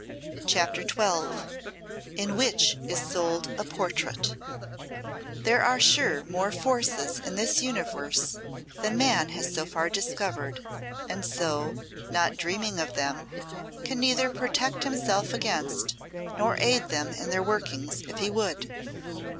CHAPTER XII In Which is Sold a Portrait There are sure more forces in this Universe than Man has so far discovered, and so, not dreaming of them, can neither protect himself against, nor aid them in their workings if he would.